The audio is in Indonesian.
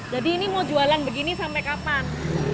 jadi ini mau jualan begini sampai kapan